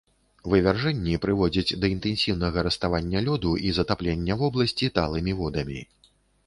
Вывяржэнні прыводзяць да інтэнсіўнага раставання лёду і затаплення вобласці талымі водамі.